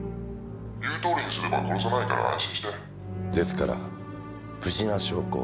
「言うとおりにすれば殺さないから安心して」ですから無事な証拠を。